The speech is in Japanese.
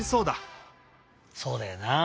そうだよなあ